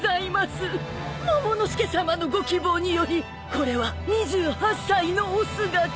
モモの助さまのご希望によりこれは２８歳のお姿。